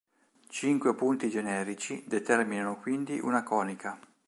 Cinque punti generici determinano quindi una conica.